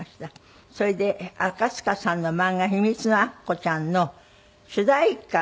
それで赤塚さんの漫画『ひみつのアッコちゃん』の主題歌。